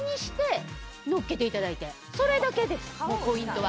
それだけですポイントは。